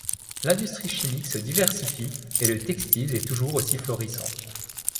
L'industrie chimique se diversifie et le textile est toujours aussi florissant.